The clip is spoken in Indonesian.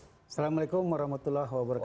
assalamualaikum warahmatullahi wabarakatuh